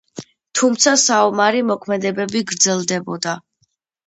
თუმცა საომარი მოქმედებები გრძელდებოდა.